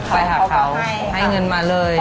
ไปหาเขาให้เงินมาเลย